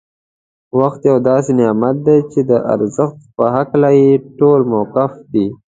وخت یو داسې نعمت دی چي د ارزښت په هکله يې ټول موافق دی.